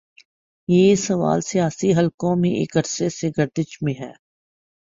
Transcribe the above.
یہ سوال سیاسی حلقوں میں ایک عرصے سے گردش میں ہے۔